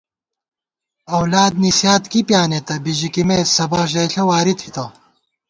اؤلاد نِسِیات کی پیانېتہ بِژِکِمېت سبَخ ژئیݪہ واری تھِتہ